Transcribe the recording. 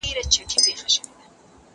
که وخت وي، کښېناستل کوم!؟